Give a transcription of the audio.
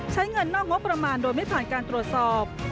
ใช้เงินนอกงบประมาณโดยไม่ผ่านการตรวจสอบ